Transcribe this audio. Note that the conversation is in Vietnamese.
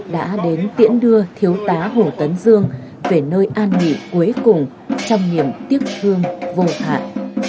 đã đến tiễn đưa thiếu tá hồ tấn dương về nơi an nghỉ cuối cùng trong niềm tiếc thương vô hạn